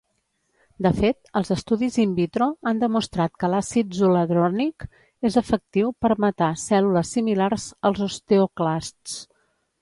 De fet, els estudis "in vitro" han demostrat que l'àcid zoledronic és efectiu per matar cèl·lules similars als osteoclasts.